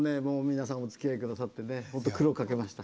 皆さん、おつきあいくださってね本当、苦労かけました。